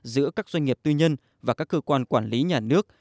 giữa các doanh nghiệp tư nhân và các cơ quan quản lý nhà nước